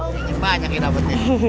tingin banyak ini rambutnya